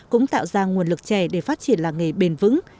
cũng tạo ra nguồn lực trẻ để phát triển làng nghề bền vững